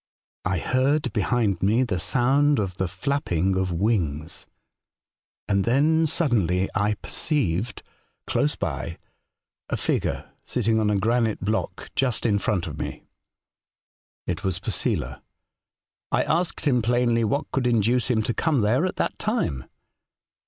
" I heard behind me the sound of the flapping of wings, and then suddenly I perceived, close by, a figure sitting on a granite block just in front of me. It was Posela. I asked him plainly what could induce him to come there at that time.